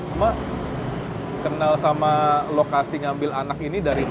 cuma kenal sama lokasi ngambil anak ini dari mana